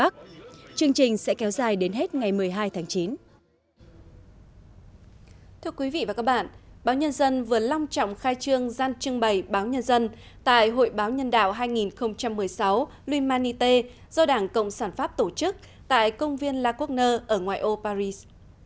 thưa quý vị và các bạn báo nhân dân vừa long trọng khai trương gian trưng bày báo nhân dân tại hội báo nhân đạo hai nghìn một mươi sáu luy manite do đảng cộng sản pháp tổ chức tại công viên lakugner ở ngoại ô paris